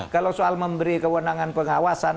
kalau soal memberi kewenangan pengawasan